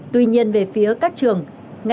tuy nhiên về phía các trường